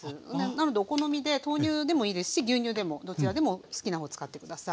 なのでお好みで豆乳でもいいですし牛乳でもどちらでも好きなほう使って下さい。